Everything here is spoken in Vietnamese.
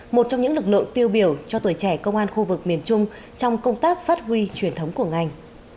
một trong những lực lượng tiêu biểu cho tuổi trẻ công an khu vực miền trung trong công tác phát huy truyền thống của ngành